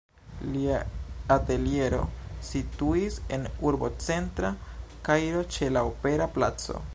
Lia ateliero situis en urbocentra Kairo, ĉe la opera placo.